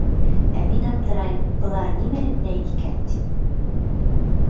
Ә мин аптырайым -былар нимә эҙләй икән тип.